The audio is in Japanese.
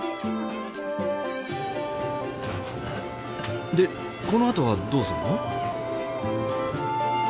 でこのあとはどうするの？